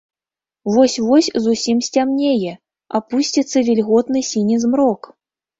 Вось-вось зусім сцямнее, апусціцца вільготны сіні змрок.